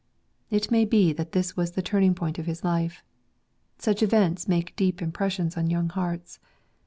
It may be that this was the turning point of his life. Such events make deep impres sions on young hearts.